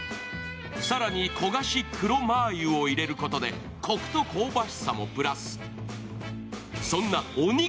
更に焦がし黒マー油を入れることでこくと香ばしさもプラス。